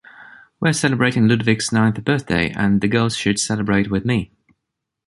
We’re celebrating Ludvig’s ninth birthday and the girls should celebrate with me.